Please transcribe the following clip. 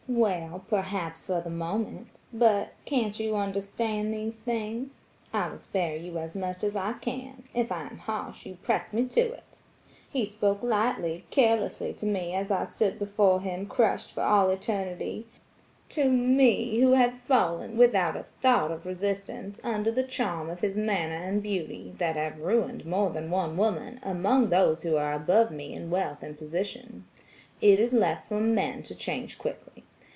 'Well, perhaps, for the moment. But–can't you understand these things? I will spare you as much as I can; if I am harsh you press me to it.' He spoke lightly, carelessly, to me as I stood before him crushed for all eternity–to me, who had fallen, without a thought of resistance, under the charm of his manner and beauty, that have ruined more than one woman among those who are above me in wealth and position. It is left for men to change quickly.